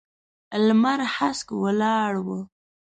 لمر هسک ولاړ و.